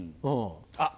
あっ！